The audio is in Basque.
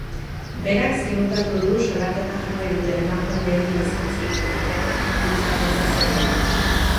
Berak ziurtatu du salaketa jarri duten emakumeekin izan zituen harremanak hitzartuta zeudela.